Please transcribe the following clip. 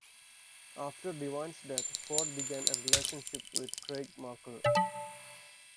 After Divine's death, Ford began a relationship with Craig Markle.